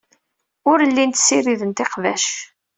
Ur llint ssirident iqbac.